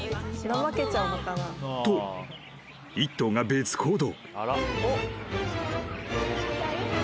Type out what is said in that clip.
［と１頭が別行動］